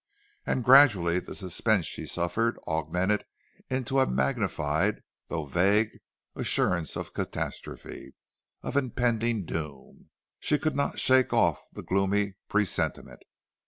And gradually the suspense she suffered augmented into a magnified, though vague, assurance of catastrophe, of impending doom. She could not shake off the gloomy presentiment.